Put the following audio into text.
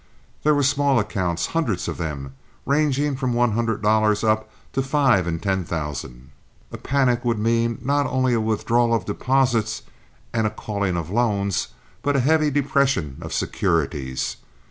There were small accounts, hundreds of them, ranging from one hundred dollars up to five and ten thousand. A panic would mean not only a withdrawal of deposits and a calling of loans, but a heavy depression of securities.